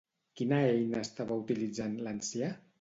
Quina eina estava utilitzant l'ancià?